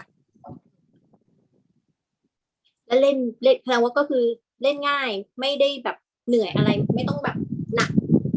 แล้วเล่นแสดงว่าก็คือเล่นง่ายไม่ได้แบบเหนื่อยอะไรไม่ต้องแบบหนัก